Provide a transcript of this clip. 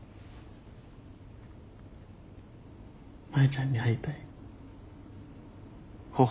マヤちゃんに会いたい。